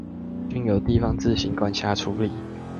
均由地方自行管轄處理